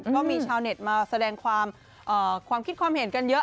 ก็มีชาวเน็ตมาแสดงความคิดความเห็นกันเยอะ